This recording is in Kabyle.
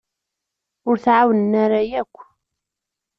Ur t-εawnen ara yakk.